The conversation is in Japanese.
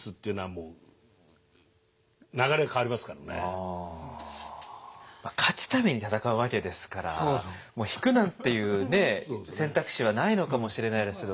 やっぱり攻めて攻めて勝つために戦うわけですから引くなんていう選択肢はないのかもしれないですけど。